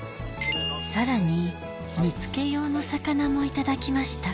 さらに煮付け用の魚も頂きました